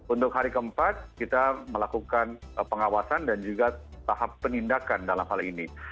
untuk hari keempat kita melakukan pengawasan dan juga tahap penindakan dalam hal ini